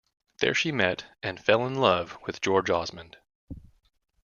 There she met and fell in love with George Osmond.